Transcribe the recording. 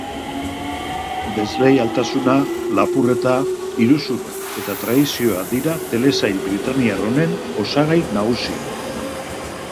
Desleialtasuna, lapurreta, iruzurra eta traizioa dira telesail britainiar honen osagai nagusiak.